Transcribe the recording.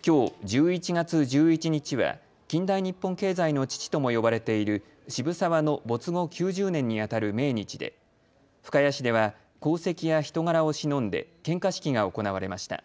きょう１１月１１日は近代日本経済の父とも呼ばれている渋沢の没後９０年にあたる命日で深谷市では功績や人柄をしのんで献花式が行われました。